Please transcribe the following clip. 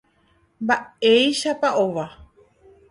Mba'éichapa ova.